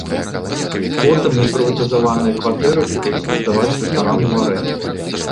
Потым непрыватызаваныя кватэры будуць здаваць жыхарам у арэнду.